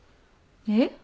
えっ？